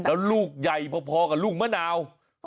แล้วลูกใหญ่พอกับลูกมะนาว